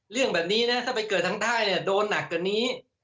เรื่องแบบนี้นะถ้าไปเกิดทางใต้โดนหนักกว่านี้